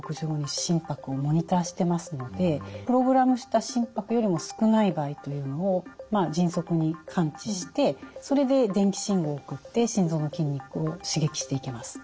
心拍をモニターしてますのでプログラムした心拍よりも少ない場合というのを迅速に感知してそれで電気信号を送って心臓の筋肉を刺激していきます。